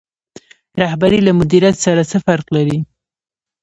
رهبري له مدیریت سره څه فرق لري؟